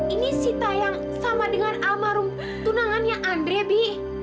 ini sita yang sama dengan almarhum tunangannya andre bi